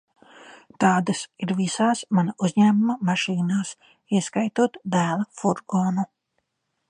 Tādas ir visās mana uzņēmuma mašīnās, ieskaitot dēla furgonu.